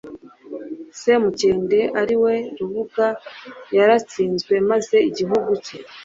samukende, ari we rubuga, yaratsinzwe maze igihugu cye